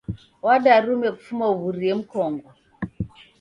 Wadarume kufuma uw'urie mkongo.